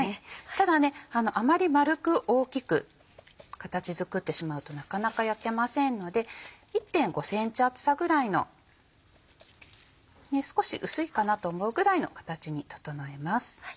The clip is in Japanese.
ただあまり丸く大きく形作ってしまうとなかなか焼けませんので１．５ｃｍ厚さぐらいの少し薄いかなと思うぐらいの形に整えます。